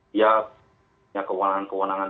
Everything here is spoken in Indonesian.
dia punya kewenangan kewenangan